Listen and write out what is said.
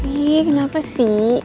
ih kenapa sih